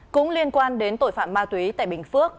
cũng liên quan đến tội phạm ma túy tại bình phước